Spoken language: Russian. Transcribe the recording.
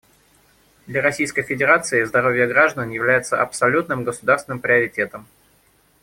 Для Российской Федерации здоровье граждан является абсолютным государственным приоритетом.